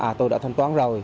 à tôi đã thanh toán rồi